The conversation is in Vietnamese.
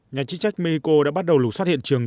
nhà chức trách mexico đã bắt đầu lục xoát hiện trường